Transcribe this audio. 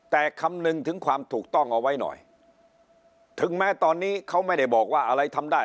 แต่คำนึงถึงความถูกต้องเอาไว้หน่อยถึงแม้ตอนนี้เขาไม่ได้บอกว่าอะไรทำได้